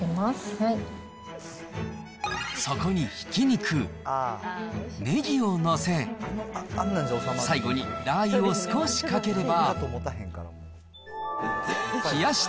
そこにひき肉、ねぎを載せ、最後にラー油を少しかければ。